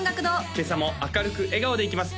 今朝も明るく笑顔でいきます